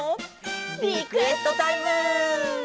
リクエストタイム！